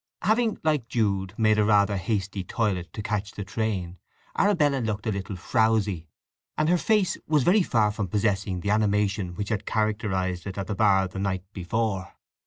Having, like Jude, made rather a hasty toilet to catch the train, Arabella looked a little frowsy, and her face was very far from possessing the animation which had characterized it at the bar the night before.